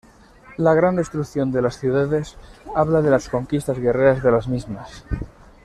La gran destrucción de las ciudades habla de las conquistas guerreras de las mismas.